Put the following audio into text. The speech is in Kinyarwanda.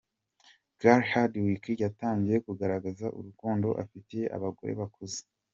Gary Hardwick yatangiye kugaragaza urukundo afitiye abagore bakuze.